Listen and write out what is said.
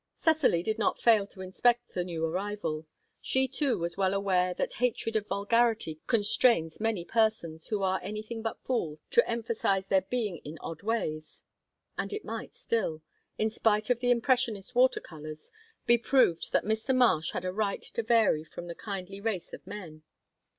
Cecily did not fail to inspect the new arrival. She too was well aware that hatred of vulgarity constrains many persons who are anything but fools to emphasize their being in odd ways, and it might still in spite of the impressionist water colours be proved that Mr. Marsh had a right to vary from the kindly race of men.